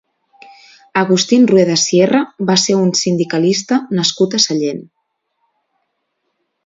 Agustín Rueda Sierra va ser un sindicalista nascut a Sallent.